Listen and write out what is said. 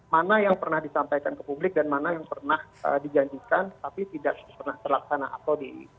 mana yang pernah disampaikan ke publik dan mana yang pernah dijanjikan tapi tidak pernah terlaksana atau di